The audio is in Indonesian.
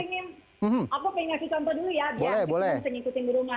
aku ingin kasih contoh dulu ya biar kita bisa ngikutin di rumah